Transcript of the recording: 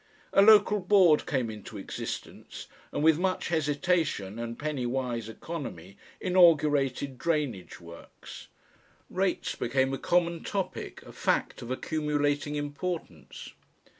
A Local Board came into existence, and with much hesitation and penny wise economy inaugurated drainage works. Rates became a common topic, a fact of accumulating importance.